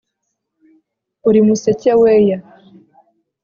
uri museke weya